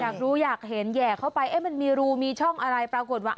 อยากรู้อยากเห็นแห่เข้าไปเอ๊ะมันมีรูมีช่องอะไรปรากฏว่า